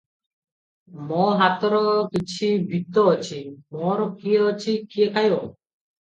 ମୋ ହାତର କିଛି ବିତ୍ତ ଅଛି- ମୋର କିଏ ଅଛି, କିଏ ଖାଇବ?